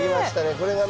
これがね